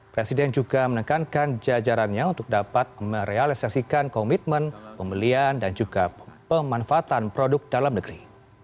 presiden juga menekankan jajarannya untuk dapat merealisasikan komitmen pembelian dan juga pemanfaatan produk dalam negeri